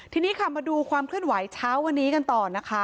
ทีนี้ค่ะมาดูความเคลื่อนไหวเช้าวันนี้กันต่อนะคะ